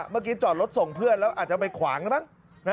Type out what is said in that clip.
เมื่อกี้จอดรถส่งเพื่อนแล้วอาจจะไปขวางแล้วมั้ง